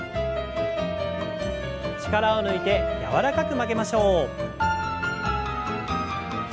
力を抜いて柔らかく曲げましょう。